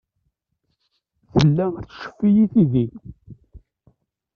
Tella teccef-iyi tidi.